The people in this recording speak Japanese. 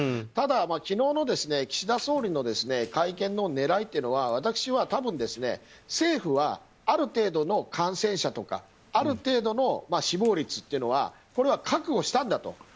ただ、昨日の岸田総理の会見の狙いというのは私は多分政府はある程度の感染者とかある程度の死亡率っていうのは覚悟したんだと。